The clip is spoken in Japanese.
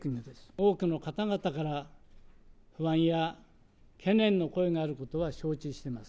多くの方々から、不安や懸念の声があることは承知しています。